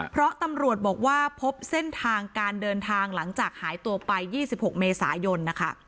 เพราะตำรวจบอกว่าพบเส้นทางการเดินทางหลังจากหายตัวไป๒๖เมษายนนะคะ